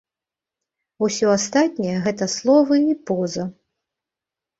Усё астатняе гэта словы і поза.